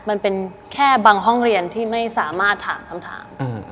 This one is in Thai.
มันเป็นแค่บางห้องเรียนที่ไม่สามารถถามคำถาม